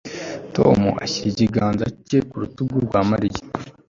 Tom ashyira ikiganza cye ku rutugu rwa Mariya